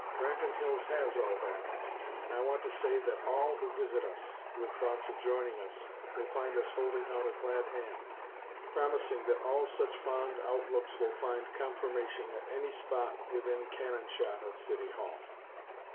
Branton Hills has all that; and I want to say that all who visit us, with thoughts of joining us, will find us holding out a glad hand; promising that all such fond outlooks will find confirmation at any spot within cannon shot of City Hall."